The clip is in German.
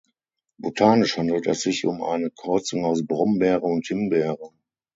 Botanisch handelt es sich um eine Kreuzung aus Brombeere und Himbeere.